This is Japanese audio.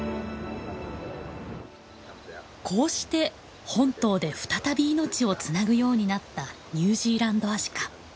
こうして本島で再び命をつなぐようになったニュージーランドアシカ。